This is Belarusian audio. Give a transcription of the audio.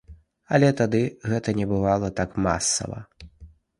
Але тады гэта не было так масава.